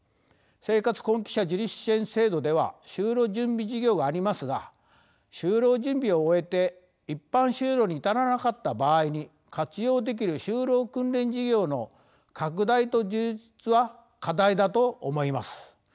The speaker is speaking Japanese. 生活困窮者自立支援制度では就労準備事業がありますが就労準備を終えて一般就労に至らなかった場合に活用できる就労訓練事業の拡大と充実は課題だと思います。